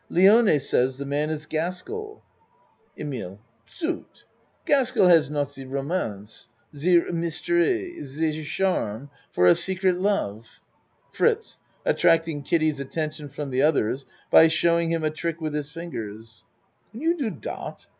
Lione says the man is Gaskell. EMILE Zut! Gaskell has not ze romanse ze mystery ze charm for a secret love. FRITZ (Attracting Kiddie's attention from the others by showing him a trick with his fingers.) Can you do dot ?